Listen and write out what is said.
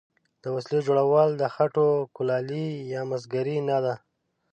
د وسلې جوړول د خټو کولالي یا مسګري نه ده.